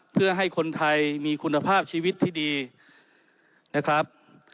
เพื่อให้คนไทยมีคุณภาพชีวิตที่ดีนะครับ